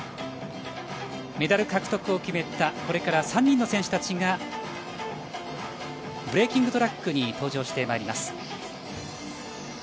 メダル獲得を決めた３人の選手たちがこれからブレーキングトラックに登場してまいります。